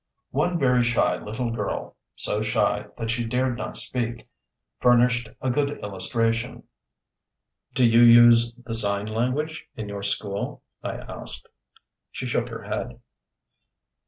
One very shy little girl—so shy that she dared not speak—furnished a good illustration: "Do you use the Sign Language in your school?" I asked. She shook her head.